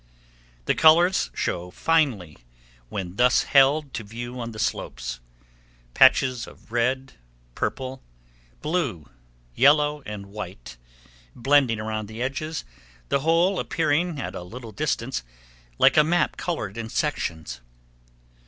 The colors show finely when thus held to view on the slopes; patches of red, purple, blue, yellow, and white, blending around the edges, the whole appearing at a little distance like a map colored in sections.